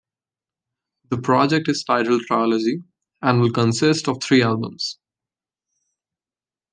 The project is titled "Trilogy" and will consist of three albums.